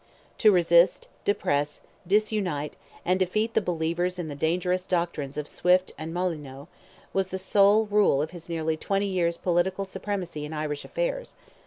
To resist, depress, disunite, and defeat the believers in the dangerous doctrines of Swift and Molyneux, was the sole rule of his nearly twenty years' political supremacy in Irish affairs.